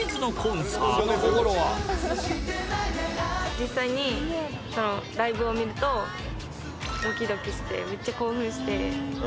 実際にライブを見るとドキドキしてめっちゃ興奮して。